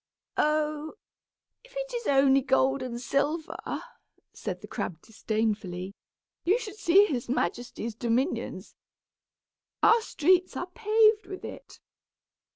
"Oh! if it is only gold and silver," said the crab, disdainfully, "you should see his majesty's dominions. Our streets are paved with it."